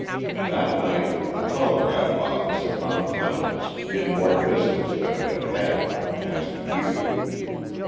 That night the telegraph office at Mount Clemens did more business than it had had for the past year.